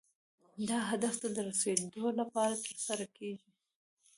دا هدف ته د رسیدو لپاره ترسره کیږي.